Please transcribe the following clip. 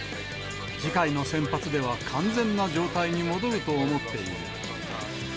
次回の先発では完全な状態に戻ると思っている。